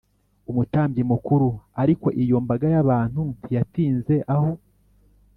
umutambyi mukuru Ariko iyo mbaga y abantu ntiyatinze aho